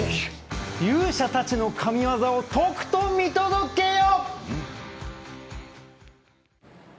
勇者たちの神ワザをとくと見届けよ！